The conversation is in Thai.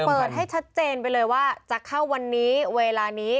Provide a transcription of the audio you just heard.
เปิดให้ชัดเจนไปเลยว่าจะเข้าวันนี้เวลานี้